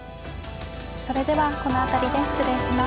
それではこの辺りで失礼します。